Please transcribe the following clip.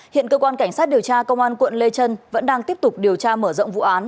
hiện cơ quan cảnh sát điều tra công an quận lê trân vẫn đang tiếp tục điều tra mở rộng vụ án